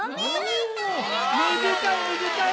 おめでたいめでたい！